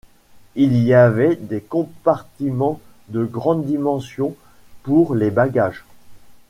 Il y avait des compartiments de grandes dimensions pour les bagages.